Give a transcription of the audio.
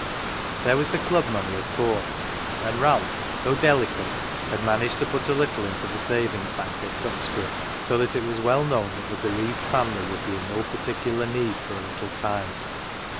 There was the club money, of course, and Ralph, though delicate, had managed to put a little into the savings bank at Duxbury ; so that it was well known that the bereaved family would be in no par ticular need for a little time.